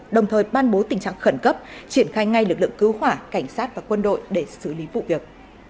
đồng thời ban bố tình trạng khẩn cấp triển khai ngay lực lượng cứu hỏa cảnh sát và quân đội để xử lý vụ việc